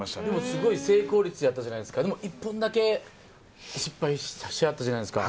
すごい成功率だったじゃないですか、でも１本だけ失敗したじゃないですか。